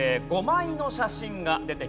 ５枚の写真が出てきます。